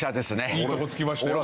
いいとこ突きましたよ。